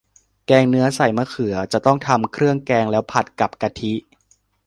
แกงเนื้อใส่มะเขือ จะต้องทำเครื่องแกงแล้วผัดกับกะทิ